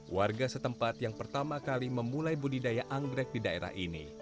warga setempat yang pertama kali memulai budidaya anggrek di daerah ini